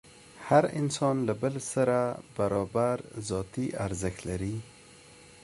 هر انسان له بل سره برابر ذاتي ارزښت لري.